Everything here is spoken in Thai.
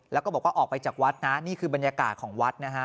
แล้วก็บอกว่าออกไปจากวัดนะนี่คือบรรยากาศของวัดนะฮะ